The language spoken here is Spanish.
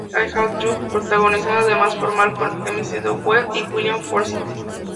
I Hate You", protagonizada además por Malcolm McDowell y William Forsythe.